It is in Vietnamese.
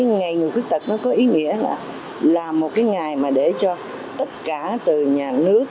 ngày người khuyết tật có ý nghĩa là một ngày để cho tất cả từ nhà nước